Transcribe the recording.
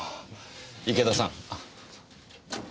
池田さん。